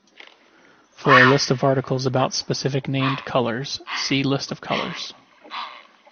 For a list of articles about specific named colors, see list of colors.